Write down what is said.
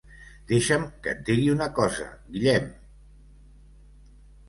Deixa'm que et digui una cosa, Guillem!